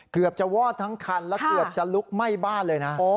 เกือบจะวอดทั้งคันและเกือบจะลุกไหม้บ้านเลยนะ